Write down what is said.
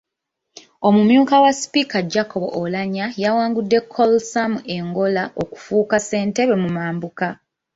Omumyuka wa Sipiika Jacob Oulanyah yawangudde Col. Sam Engola okufuuka Ssentebe mu Mambuka.